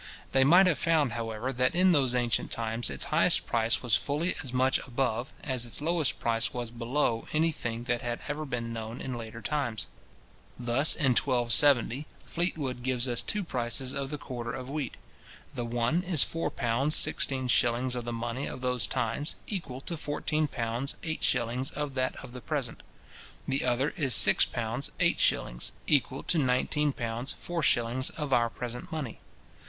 They might have found, however, that in those ancient times its highest price was fully as much above, as its lowest price was below any thing that had ever been known in later times. Thus, in 1270, Fleetwood gives us two prices of the quarter of wheat. The one is four pounds sixteen shillings of the money of those times, equal to fourteen pounds eight shillings of that of the present; the other is six pounds eight shillings, equal to nineteen pounds four shillings of our present money.